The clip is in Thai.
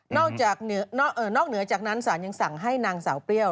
นอกเหนือจากนั้นศาลยังสั่งให้นางสาวเปรี้ยว